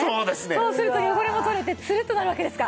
そうすると汚れも取れてつるっとなるわけですか。